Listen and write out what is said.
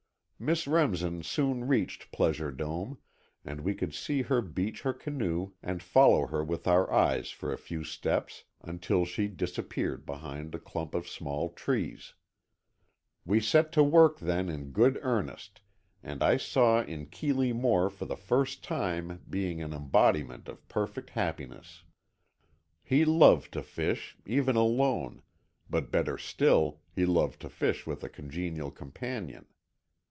Miss Remsen soon reached Pleasure Dome, and we could see her beach her canoe and follow her with our eyes for a few steps until she disappeared behind a clump of tall trees. We set to work then in good earnest and I saw in Keeley Moore for the time being an embodiment of perfect happiness. He loved to fish, even alone, but better still, he loved to fish with a congenial companion.